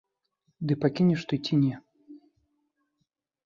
Ды пакінеш ты ці не?